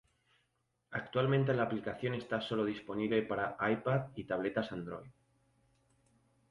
Actualmente la aplicación está solo disponible para iPad y tabletas Android.